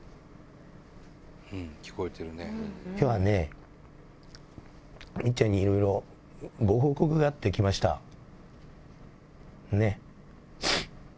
きょうはね、みっちゃんにいろいろご報告があって来ました。ね。